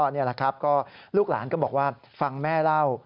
นี่แหละครับก็ลูกหลานก็บอกว่าฟังแม่เล่า